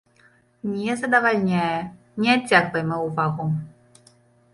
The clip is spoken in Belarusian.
Не задавальняе, не адцягвай маю ўвагу.